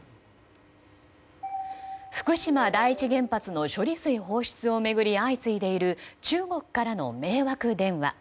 福島第一原発の処理水放出を巡り相次いでいる中国からの迷惑電話。